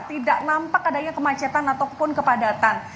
tidak nampak adanya kemacetan ataupun kepadatan